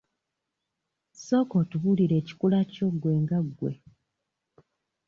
Sooka otubuulira ekikula kyo gwe nga gwe.